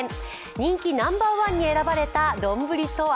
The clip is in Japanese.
人気ナンバーワンに選ばれた丼とは。